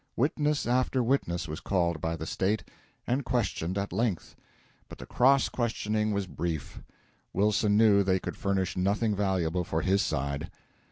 Witness after witness was called by the State, and questioned at length; but the cross questioning was brief. Wilson knew they could furnish nothing valuable for his side.